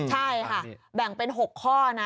ใช่ค่ะแบ่งเป็น๖ข้อนะ